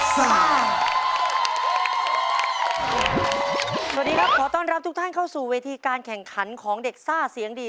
สวัสดีครับขอต้อนรับทุกท่านเข้าสู่เวทีการแข่งขันของเด็กซ่าเสียงดี